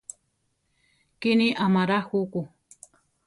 Kíni amará juku.